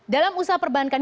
dalam usaha perbankan